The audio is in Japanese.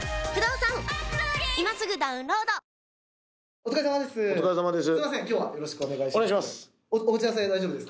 お疲れさまです。